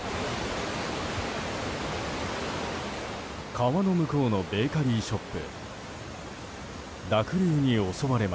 川の向こうのベーカリーショップ。